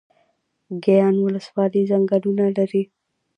ګیان ولسوالۍ ځنګلونه لري؟